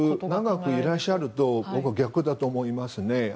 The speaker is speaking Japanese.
長くいらっしゃるというのは逆だと思いますね。